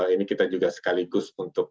ini kita juga sekaligus untuk